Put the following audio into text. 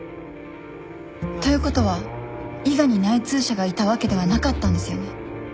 ということは伊賀に内通者がいたわけではなかったんですよね？